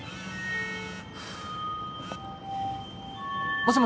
もしもし。